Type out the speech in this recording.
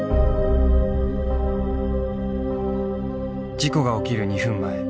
事故が起きる２分前。